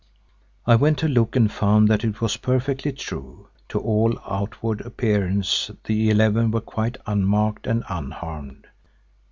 I went to look and found that it was perfectly true; to all outward appearance the eleven were quite unmarked and unharmed.